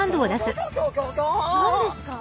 何ですか？